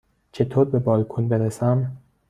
چطور به بالکن برسم؟